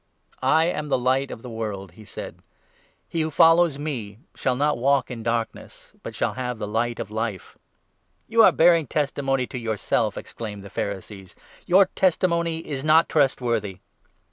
*ia ; of "I am the Light of the World," he said. He the world.1 w]lo follows me shall not walk in darkness, but shall have the Light of Life." "You are bearing testimony to yourself !" exclaimed the 13 Pharisees, "your testimony is not trustworthy."